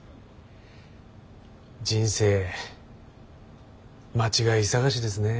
人生間違い探しですね。